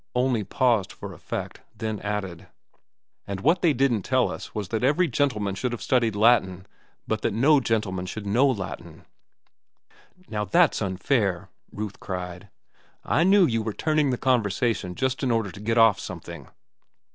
Olney paused for effect, then added, "And what they didn't tell us was that every gentleman should have studied Latin, but that no gentleman should know Latin." "Now that's unfair," Ruth cried. "I knew you were turning the conversation just in order to get off something."